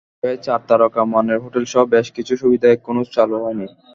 তবে চার তারকা মানের হোটেলসহ বেশ কিছু সুবিধা এখনো চালু হয়নি।